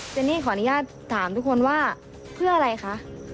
เนนี่ขออนุญาตถามทุกคนว่าเพื่ออะไรคะ